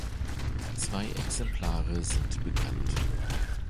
Zwei Exemplare sind bekannt.